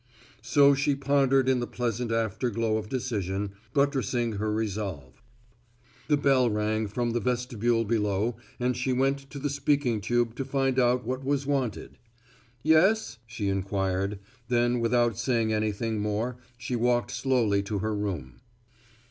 So she pondered in the pleasant after glow of decision, buttressing her resolve. The bell rang from the vestibule below and she went to the speaking tube to find out what was wanted. "Yes?" she inquired, then without saying anything more she walked slowly to her room.